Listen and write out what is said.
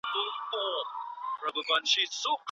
په يوه روايت کي د مالکي فقهاوو سره موافق دی.